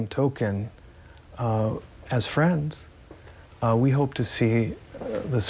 นั่นคือสิ่งสำคัญที่สงสัยและที่ผมเห็น